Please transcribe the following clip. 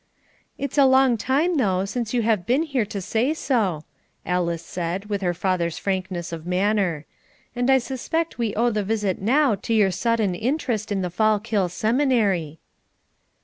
"It's a long time, though, since you have been here to say so," Alice said, with her father's frankness of manner; "and I suspect we owe the visit now to your sudden interest in the Fallkill Seminary."